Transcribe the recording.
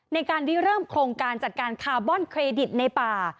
ในการรีเริ่มโครงการจัดการคาร์บอนเครดิตในป่า